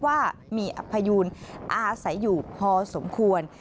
ว่ามีอพยูนอาศัยอยู่พอสมควร